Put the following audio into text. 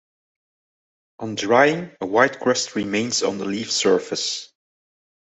On drying, a white crust remains on the leaf surface.